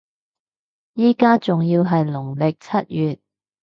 依家仲要係農曆七月